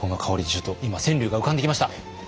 ちょっと今川柳が浮かんできました。